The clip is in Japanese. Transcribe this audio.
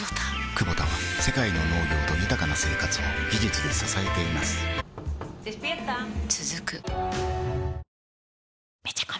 クボタは世界の農業と豊かな生活を技術で支えています起きて。